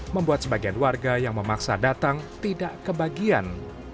membuat sebagian warga yang memaksa datang tidak kebagian